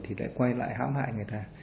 thì lại quay lại hãm hại người ta